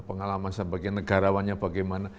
pengalaman sebagai negarawannya bagaimana